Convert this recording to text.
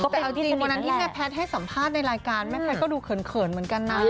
แต่เอาจริงวันนั้นที่แม่แพทย์ให้สัมภาษณ์ในรายการแม่แพทย์ก็ดูเขินเหมือนกันนะ